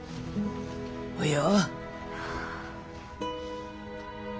およ。